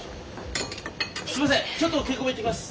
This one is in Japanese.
すいませんちょっと稽古場行ってきます。